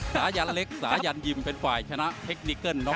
สายันเล็กสายันยิมเป็นฝ่ายชนะเทคนิเกิ้ล